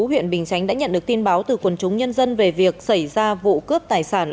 huyện bình chánh đã nhận được tin báo từ quần chúng nhân dân về việc xảy ra vụ cướp tài sản